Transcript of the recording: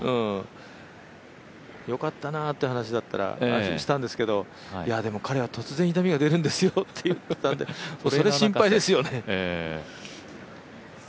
よかったなって話だったら安心だったんですけど彼は突然、痛みが出るんですよって言ってたんでそれ、心配ですよね。